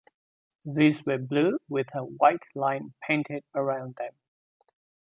These were blue with a white line painted around them.